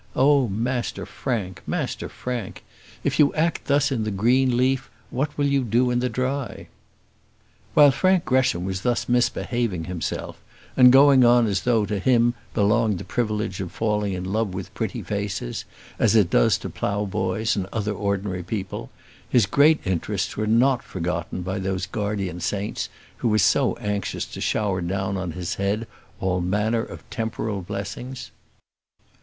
Oh, Master Frank! Master Frank! if you act thus in the green leaf, what will you do in the dry? While Frank Gresham was thus misbehaving himself, and going on as though to him belonged the privilege of falling in love with pretty faces, as it does to ploughboys and other ordinary people, his great interests were not forgotten by those guardian saints who were so anxious to shower down on his head all manner of temporal blessings.